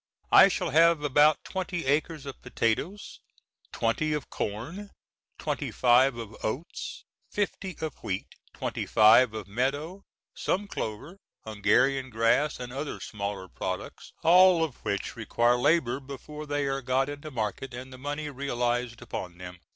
I shall have about twenty acres of potatoes, twenty of corn, twenty five of oats, fifty of wheat, twenty five of meadow, some clover, Hungarian grass and other smaller products, all of which require labor before they are got into market, and the money realized upon them.